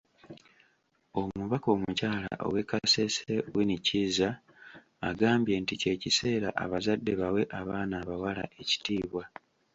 Omubaka omukyala ow'e Kasese, Winnie Kiiza agambye nti ky'ekiseera abazadde bawe abaana abawala ekitiibwa.